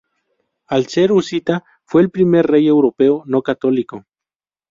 Al ser husita, fue el primer rey europeo no católico.